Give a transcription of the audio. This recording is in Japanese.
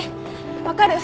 分かる？